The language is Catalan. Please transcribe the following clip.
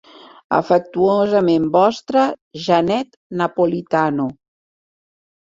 Afectuosament vostra, Janet Napolitano.